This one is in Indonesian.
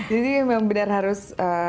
jadi memang benar harus